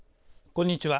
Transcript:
こんにちは。